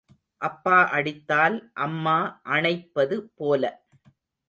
அப்பா அடித்தால் அம்மா அணைப்பது போல.